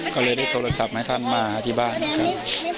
ก็เลยได้โทรศัพท์มาให้ท่านมาที่บ้านครับ